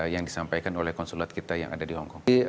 yang disampaikan oleh konsulat kita yang ada di hongkong